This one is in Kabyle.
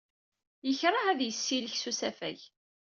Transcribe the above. Yekṛeh ad yessilek s usafag.